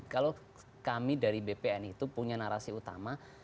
kalau kami dari bpn itu punya narasi utama